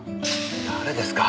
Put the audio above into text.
誰ですか？